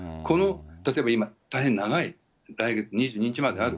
例えば今、大変長い、来月２２日まである。